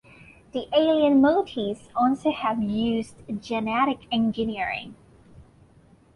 The alien Moties also have used genetic engineering.